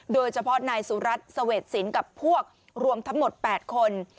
โดยเฉพาะนายสุรัตน์เสวดศิลป์กับพวกรวมทั้งหมด๘คน